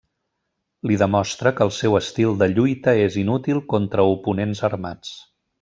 Li demostra que el seu estil de lluita és inútil contra oponents armats.